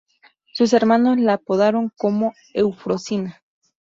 Sus hermanos la apodaron como "Eufrosina".